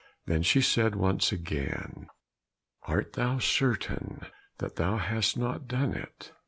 Then she said once again, "Art thou certain that thou hast not done it?"